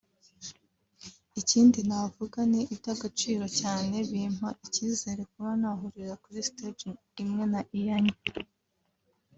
ikindi navuga ni iby’agaciro cyane bimpa n’icyizere kuba nahurira kuri stage imwe na Iyanya